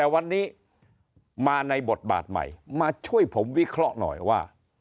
แต่วันนี้มาในบทบาทใหม่มาช่วยผมวิเคราะห์หน่อยว่า